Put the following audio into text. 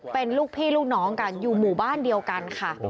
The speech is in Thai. เป็นลูกพี่ลูกน้องกันอยู่หมู่บ้านเดียวกันค่ะ